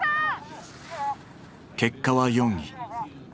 結果は４位。